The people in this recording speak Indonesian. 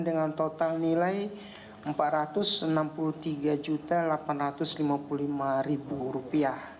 dengan total nilai rp empat ratus enam puluh tiga delapan ratus lima puluh lima